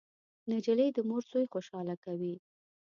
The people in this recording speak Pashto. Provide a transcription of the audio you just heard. نجلۍ د مور زوی خوشحاله کوي.